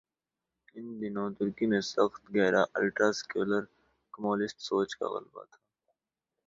ان دنوں ترکی میں سخت گیر الٹرا سیکولر کمالسٹ سوچ کا غلبہ تھا۔